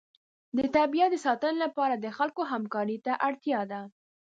د طبیعت د ساتنې لپاره د خلکو همکارۍ ته اړتیا ده.